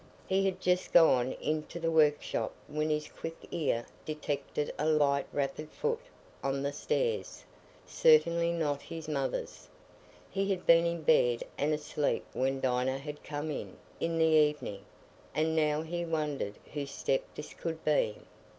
He had just gone into the workshop when his quick ear detected a light rapid foot on the stairs—certainly not his mother's. He had been in bed and asleep when Dinah had come in, in the evening, and now he wondered whose step this could be.